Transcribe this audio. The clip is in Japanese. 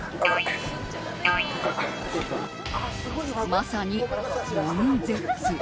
まさに悶絶。